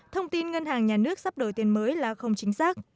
thông tin ngân hàng nhà nước sắp đổi tiền mới là thông tin hoàn toàn thất thiệt